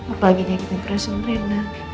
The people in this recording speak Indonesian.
apalagi nyakitin perasaan rena